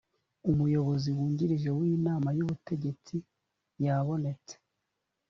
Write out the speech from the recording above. umuyobozi wungirije w’inama y’ubutegetsi yabonetse